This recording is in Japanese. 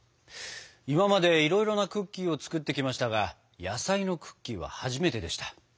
今までいろいろなクッキーを作ってきましたが野菜のクッキーは初めてでした。